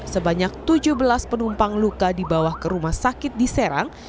sebanyak tujuh belas penumpang luka dibawa ke rumah sakit di serang